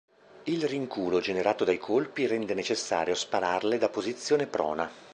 Il rinculo generato dai colpi rende necessario spararle da posizione prona.